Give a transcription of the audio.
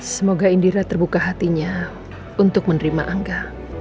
semoga indira terbuka hatinya untuk menerima angka